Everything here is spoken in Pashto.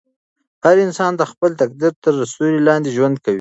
هر انسان د خپل تقدیر تر سیوري لاندې ژوند کوي.